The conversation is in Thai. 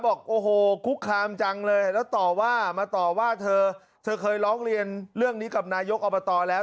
บอกโอ้โหคุกคามจังเลยแล้วต่อว่ามาต่อว่าเธอเธอเคยร้องเรียนเรื่องนี้กับนายกอบตแล้ว